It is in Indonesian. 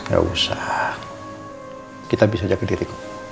gak usah kita bisa jaga diriku